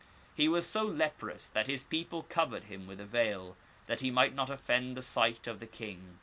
He was so leprous that his people covered him with a veil, that he might not offend the sight of the king.